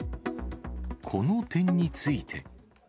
この点について。